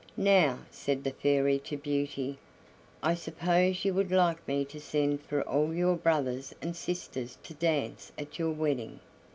"Now," said the Fairy to Beauty, "I suppose you would like me to send for all your brothers and sisters to dance at your wedding?"